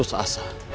aku sudah putus asa